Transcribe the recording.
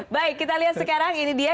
baik kita lihat sekarang ini dia